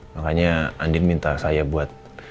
makanya andin minta saya buat